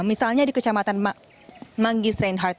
misalnya di kecamatan manggis reinhardt